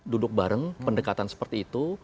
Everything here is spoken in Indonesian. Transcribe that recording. duduk bareng pendekatan seperti itu